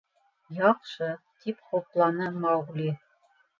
— Яҡшы, — тип хупланы Маугли.